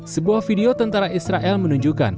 sebuah video tentara israel menunjukkan